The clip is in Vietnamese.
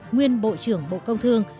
nguyên bộ trưởng bộ công thương